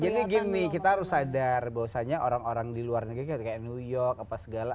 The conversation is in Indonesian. jadi gini kita harus sadar bahwasanya orang orang di luar negeri kayak new york apa segala